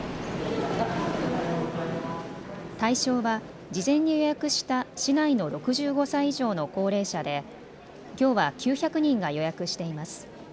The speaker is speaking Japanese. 対象は事前に予約した市内の６５歳以上の高齢者できょうは９００人が予約しています。